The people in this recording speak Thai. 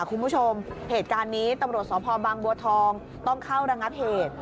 คุณผู้ชมเหตุการณ์นี้ตำรวจสพบางบัวทองต้องเข้าระงับเหตุ